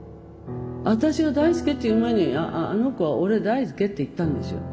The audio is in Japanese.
私が「大輔」って言う前にあの子は「オレ大輔」って言ったんですよ。